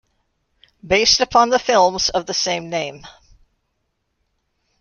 Based upon the films of the same name.